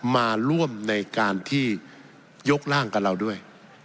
มาร่วมในการที่ยกร่างกับเราด้วย